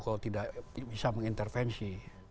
kalau tidak bisa mengintervensi